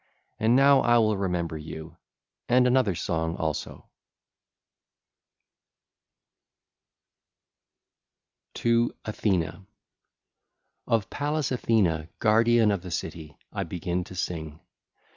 And now I will remember you and another song also. XI. TO ATHENA (ll. 1 4) Of Pallas Athene, guardian of the city, I begin to sing.